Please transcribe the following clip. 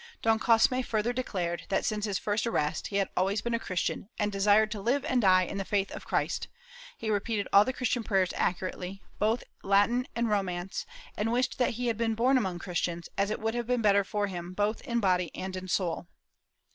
Don Cosme further declared that, since his first arrest, he had always been a Christian and desired to live and die in the faith of Christ; he repeated all the Christian prayers accurately, in both Latin and Romance, and wished that he had been born among Christians, as it would have been better for him, both in body and in soul.